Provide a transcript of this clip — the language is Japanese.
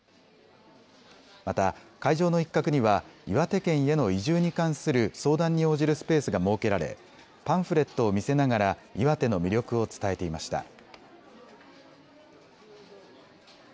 また、会場の一角には岩手県への移住に関する相談に応じるスペースが設けられパンフレットを見せながら岩手の魅力を伝えていました。